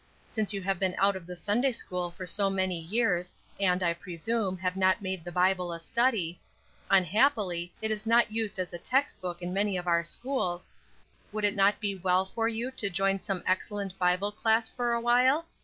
Since you have been out of the Sunday school for so many years, and, I presume, have not made the Bible a study unhappily, it is not used as a text book in many of our schools would it not be well for you to join some excellent Bible class for awhile?